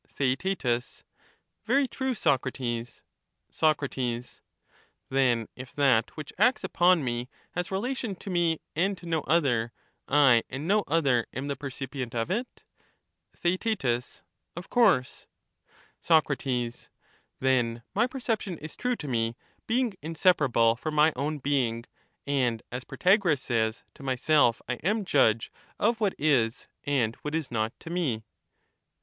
Theaet Very true, Socrates. Soc, Then, if that which acts upon me has relation to me and to no other, I and no other am the percipient of it? Theaet Of course. Soc. Then my perception is true to me, being inseparable from my own being ; and, as Protagoras says, to myself I am judge of what is and what is not to me.